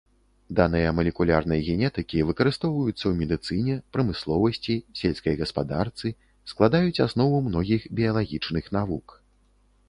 Даныя малекулярнай генетыкі выкарыстоўваюцца ў медыцыне, прамысловасці, сельскай гаспадарцы, складаюць аснову многіх біялагічных навук.